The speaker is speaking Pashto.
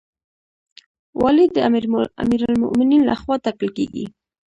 والی د امیرالمؤمنین لخوا ټاکل کیږي